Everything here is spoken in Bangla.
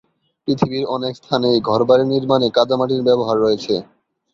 পৃথিবীর অনেক স্থানেই ঘর বাড়ি নির্মাণে কাদামাটির ব্যবহার রয়েছে।